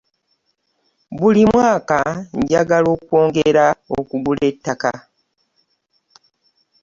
Buli mwaka njagala okwongera okugula ettaka.